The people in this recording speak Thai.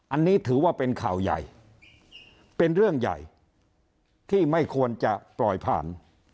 อันนี้ถือว่าเป็นข่าวใหญ่เป็นเรื่องใหญ่ที่ไม่ควรจะปล่อยผ่าน